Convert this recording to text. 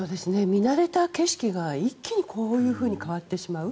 見慣れた景色が一気にこういうふうに変わってしまう。